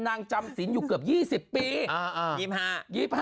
นางจำสินอยู่เกือบ๒๐ปี